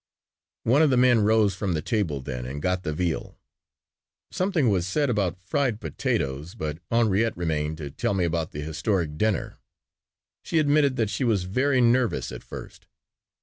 One of the men rose from the table then and got the veal. Something was said about fried potatoes, but Henriette remained to tell me about the historic dinner. She admitted that she was very nervous at first.